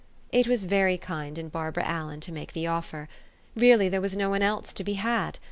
It was very kind in Barbara Allen to make the offer. Really, there was no one else to be had.